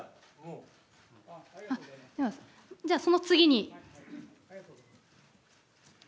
じゃあ、その次に。